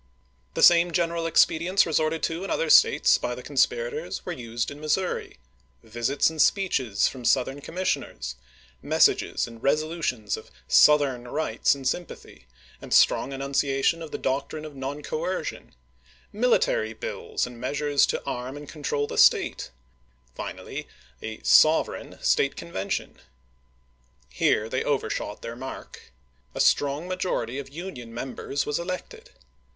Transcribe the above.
The same general expedients resorted to in other States by the conspirators were used in Missouri — visits and speeches from Southern commissioners ; messages and resolutions of " Southern " rights and sympathy, and strong enunciation of the doctrine of non coercion ; military bills and measures to arm and control the State ; finally, a " sovereign " State Convention. Here they overshot their mark. A strong majority of Union members was elected.